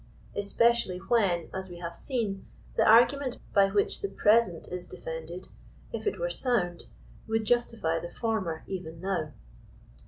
Especially when, as we have seen, the ar gument by which the present is defendeil, if it were sound, would justify the former, even now.